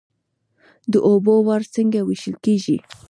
د اوبو وار څنګه ویشل کیږي؟